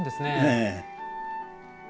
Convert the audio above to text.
ええ。